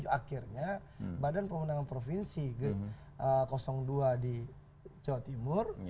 akhirnya badan pemenangan provinsi ke dua di jawa timur